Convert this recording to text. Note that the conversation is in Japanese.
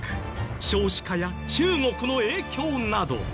少子化や中国の影響など。